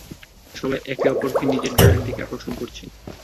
সবাই একে অপরকে নিজের দলের দিকে আকর্ষণ করছে।